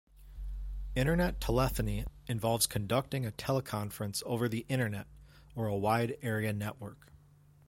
Internet telephony involves conducting a teleconference over the Internet or a Wide Area Network.